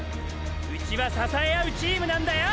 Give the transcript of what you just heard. うちは支えあうチームなんだよ！！